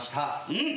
うん！